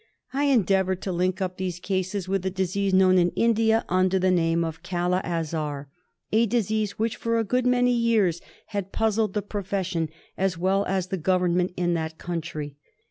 I endeavoured to link up these cases with a disease known in India under the name of Kala Azar, a disease which for a good many years had puzzled the profession as well as the Government in that country.